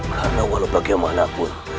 karena walau bagaimanapun